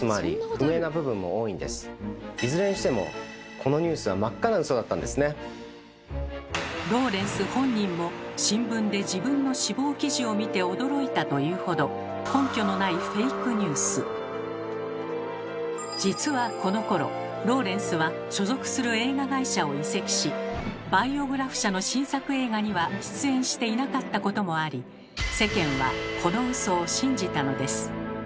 このニュースいずれにしてもローレンス本人も「新聞で自分の死亡記事を見て驚いた」と言うほど実はこのころローレンスは所属する映画会社を移籍しバイオグラフ社の新作映画には出演していなかったこともあり世間はこのウソを信じたのです。